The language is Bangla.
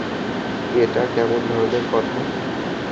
এটা কেমন ধরণের কথা?